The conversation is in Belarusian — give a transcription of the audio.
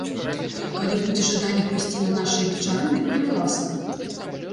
Калі будзе жаданне прыйсці на нашыя вечарыны, калі ласка!